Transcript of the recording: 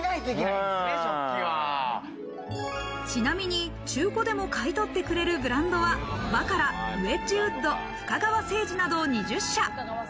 ちなみに中古でも買い取ってくれるブランドは、バカラ、ウェッジウッド、深川製磁など２０社。